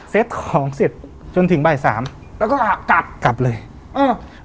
ของเสร็จจนถึงบ่ายสามแล้วก็กลับกลับเลยเออ